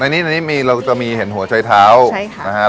อันนี้ในนี้มีเราจะมีเห็นหัวใช้เท้าใช่ค่ะนะฮะ